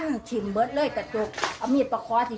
มันปล่อยไว้ไม่ได้